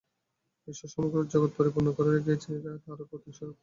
ঈশ্বর সমগ্র জগৎ পরিপূর্ণ করে রয়েছেন, এটা তাঁরই প্রতীক-স্বরূপ।